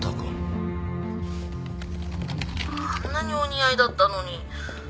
あんなにお似合いだったのに。